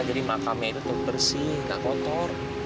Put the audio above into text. jadi makamnya itu tuh bersih gak kotor